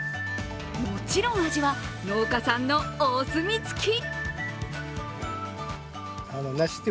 もちろん味は農家さんのお墨付き！